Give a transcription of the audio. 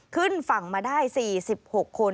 ขึ้นฝั่งมาได้๔๖คน